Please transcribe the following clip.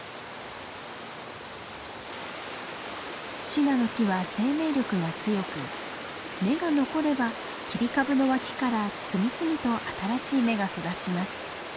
シナノキは生命力が強く根が残れば切り株の脇から次々と新しい芽が育ちます。